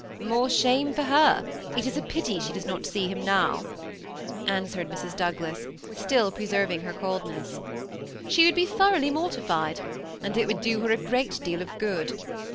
^^ More shame for her. It is a pity she does not see him now," answered Mrs, Douglas, still preserving her coldness; ''she would be thoroughly mortified, and it would do her a great deal of good.